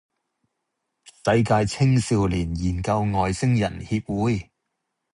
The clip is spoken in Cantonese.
世界青少年研究外星人協會